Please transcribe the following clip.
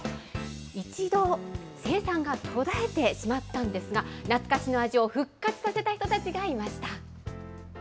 一度生産が途絶えてしまったんですが、懐かしの味を復活させた人たちがいました。